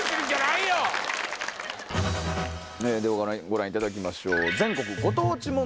ご覧いただきましょう。